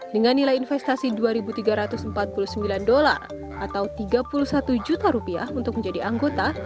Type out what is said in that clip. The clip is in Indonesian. dengan nilai investasi dua tiga ratus empat puluh sembilan dolar atau tiga puluh satu juta rupiah untuk menjadi anggota